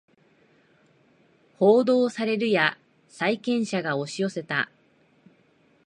報道されるや債権者が押し寄せた